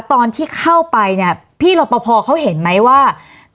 ตอนที่เข้าไปพี่หลับป่าวเขาเห็นไหมว่า